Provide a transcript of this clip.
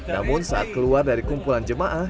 namun saat keluar dari kumpulan jemaah